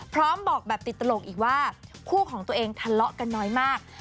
พร้อมบอกแบบติดตลกอีกว่าคู่ของตัวเองทะเลาะกันน้อยมาก